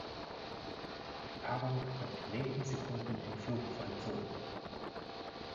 Die Paarung wird in wenigen Sekunden im Flug vollzogen.